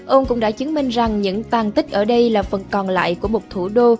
ông cũng đã chứng minh rằng những tàn tích ở đây là phần còn lại của một thủ đô